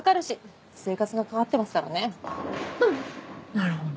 なるほど。